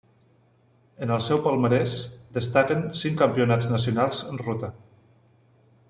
En el seu palmarès destaquen cinc campionats nacionals en ruta.